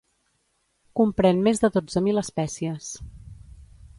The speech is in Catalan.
Comprèn més de dotze mil espècies.